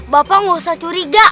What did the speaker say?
bapak nggak usah curiga